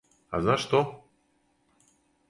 А знаш то?